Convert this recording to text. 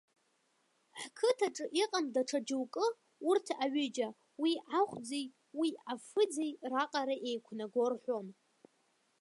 Ҳқыҭаҿы иҟам даҽа џьоукы, урҭ аҩыџьа, уи ахәӡеи, уи афыӡеи раҟара еиқәнаго рҳәон.